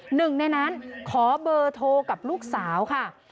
หนึ่งในนั้นขอเบอร์โทรกับลูกสาวค่ะ